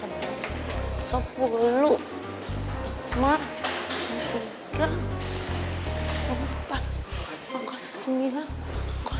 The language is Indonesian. ada apa ada di ruangan lima ratus enam lima ratus enam ya makasih ya terima kasih ibu